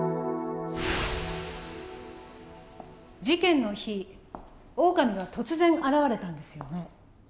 事件の日オオカミは突然現れたんですよね？